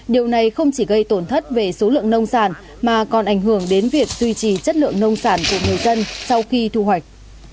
điều này không chỉ gây tổn thất về số lượng nông sản mà còn ảnh hưởng đến việc duy trì chất lượng nông sản của người dân sau khi thu hoạch